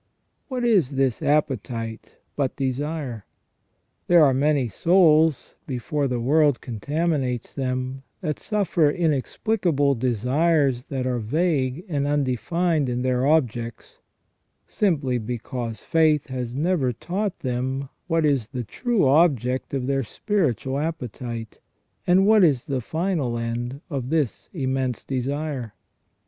What is this appetite but desire ? There are many souls, before the world contaminates them, that suffer inex plicable desires that are vague and undefined in their objects, * Suarez, Ihid. 2o6 ON JUSTICE AND MORAL EVIL. simply because faith has never taught them what is the true object oiF their spiritual appetite, and what is the final end of this immense desire.